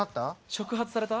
触発された？